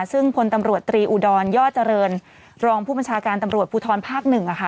ซึ่งพลตำรวจตรีอุดรย่อเจริญรองผู้บัญชาการตำรวจภูทรภาคหนึ่ง